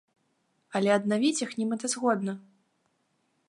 Але аднавіць іх немэтазгодна.